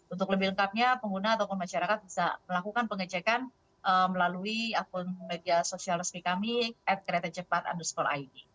untuk lebih lengkapnya pengguna atau masyarakat bisa melakukan pengecekan melalui akun media sosial resmi kami at keretacepat underscore id